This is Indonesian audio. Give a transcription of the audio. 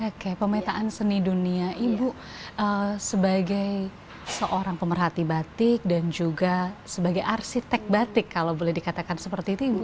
oke pemetaan seni dunia ibu sebagai seorang pemerhati batik dan juga sebagai arsitek batik kalau boleh dikatakan seperti itu ibu